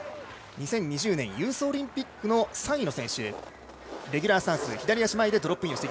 ２０２０年ユースオリンピック３位の選手。